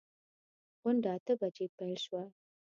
غونډه اته بجې پیل شوه.